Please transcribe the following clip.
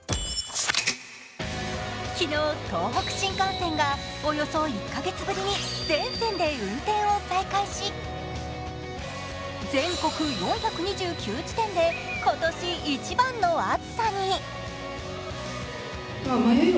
昨日、東北新幹線がおよそ１カ月ぶりに全線で運転を再開し全国４２９地点で今年一番の暑さに。